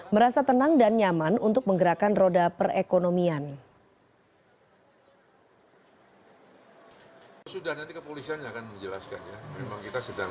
merasa tenang dan nyaman untuk menggerakkan roda perekonomian